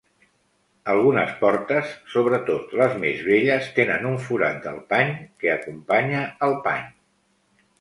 Algunes portes, sobretot les més velles, tenen un forat del pany que acompanya el pany.